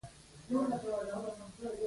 حسي نیورون عصبي پیغام نخاع ته لېږدوي.